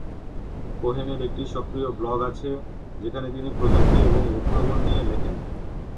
কোহেনের একটি সক্রিয় ব্লগ আছে যেখানে তিনি প্রযুক্তি এবং উদ্ভাবন নিয়ে লেখেন।